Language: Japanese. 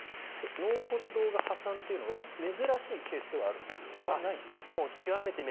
納骨堂が破産というのは珍しいケースではあるんですか？